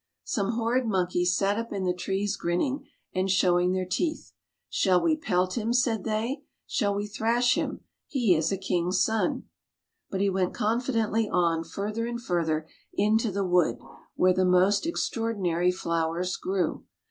Some horrid monkeys sat up in the trees grinning and show ing their teeth. " Shall we pelt him? " said they. " Shall we thrash him; he is a king's son." But he went confidently on further and further into the wood, where the most extraordinary flowers grew.